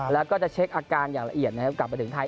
แล้วก็จะเช็คอาการอย่างละเอียดนะครับกลับมาถึงไทย